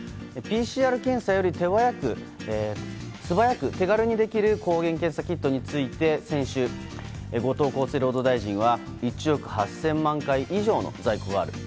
ＰＣＲ検査より素早く手軽にできる抗原検査キットについて先週、後藤厚生労働大臣は１億８０００万回以上の在庫があると。